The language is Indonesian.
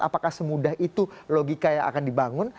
apakah semudah itu logika yang akan dibangun